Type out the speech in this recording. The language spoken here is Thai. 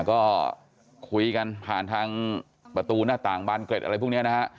ก็คุยกันผ่านทางประตูหน้าต่างบานเกร็ดอะไรพวกนี้นะฮะ